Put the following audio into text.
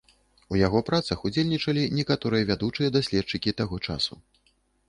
У яго працах удзельнічалі некаторыя вядучыя даследчыкі таго часу.